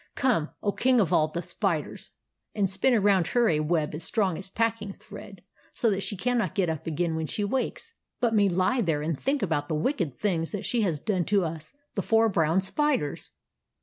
Come, O King of all the Spiders, and spin around her a web as strong as pack ing thread, so that she cannot get up again when she wakes, but may lie there and think about the wicked things that she has done to us, the four brown spiders!